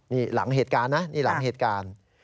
นี่หลังเหตุการณ์นะนี่หลังเหตุการณ์